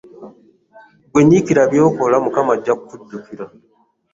Ggwe nyiikira by'okola Mukama ajja kukujjukira.